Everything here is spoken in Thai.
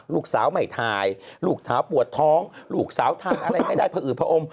ลูกสาวไม่ถ่ายลูกสาวปวดท้องลูกสาวทานอะไรไม่ได้ผอืดผอม